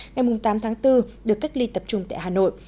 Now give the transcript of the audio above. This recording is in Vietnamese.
ngày tám tháng bốn được cách ly tập trung tại hà nội